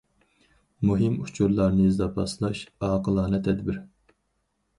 مۇھىم ئۇچۇرلارنى زاپاسلاش ئاقىلانە تەدبىر.